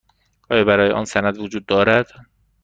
آیا برای آن سند وجود دارد؟